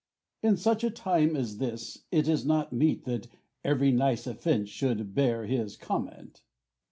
Cas. In such a time as this it is not meet That every nice offence should bear his comment.